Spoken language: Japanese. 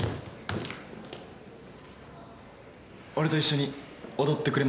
俺と一緒に踊ってくれませんか？